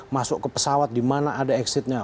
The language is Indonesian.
masuk ke pesawat dimana ada exitnya